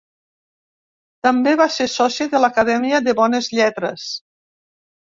També va ser soci de l'Acadèmia de Bones Lletres.